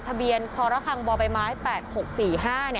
ทะเบียนคอรคังบ่อใบไม้๘๖๔๕